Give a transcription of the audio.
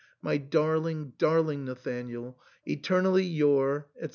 My darling, darling Nathanael, Eternally your, &c.